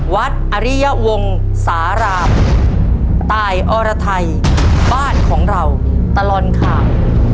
อริยวงสารามตายอรไทยบ้านของเราตลอดข่าว